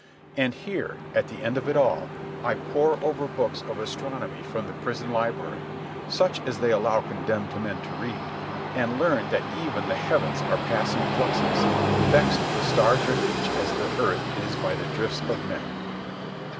And here, at the end of it all, I pore over books of astronomy from the prison library, such as they allow condemned men to read, and learn that even the heavens are passing fluxes, vexed with star driftage as the earth is by the drifts of men.